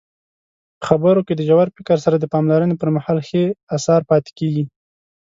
په خبرو کې د ژور فکر سره د پاملرنې پرمهال ښې اثار پاتې کیږي.